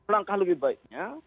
langkah lebih baiknya